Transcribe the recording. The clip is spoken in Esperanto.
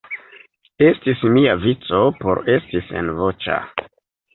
Estis mia vico por esti senvoĉa.